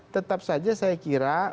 tetap saja saya kira